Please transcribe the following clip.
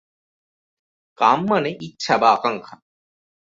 কাম মানে "ইচ্ছা বা আকাঙ্ক্ষা"।